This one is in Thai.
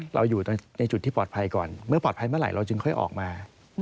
เราอยู่ในจุดที่ปลอดภัยก่อนเมื่อปลอดภัยเมื่อไหร่เราจึงค่อยออกมา